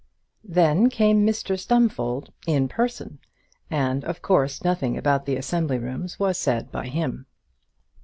Then came Mr Stumfold in person, and, of course, nothing about the assembly rooms was said by him.